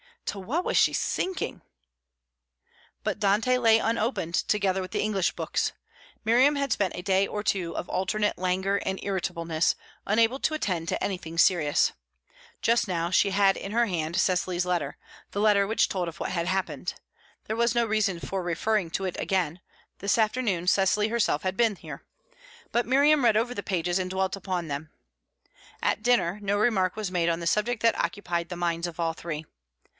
To what was she sinking! But Dante lay unopened, together with the English books. Miriam had spent a day or two of alternate languor and irritableness, unable to attend to anything serious. Just now she had in her hand Cecily's letter, the letter which told of what had happened. There was no reason for referring to it again; this afternoon Cecily herself had been here. But Miriam read over the pages, and dwelt upon them. At dinner, no remark was made on the subject that occupied the minds of all three.